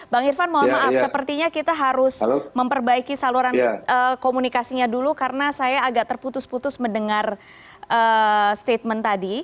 bang irfan mohon maaf sepertinya kita harus memperbaiki saluran komunikasinya dulu karena saya agak terputus putus mendengar statement tadi